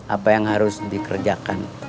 apa yang harus dikerjakan